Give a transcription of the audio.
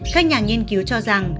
các nhà nghiên cứu cho rằng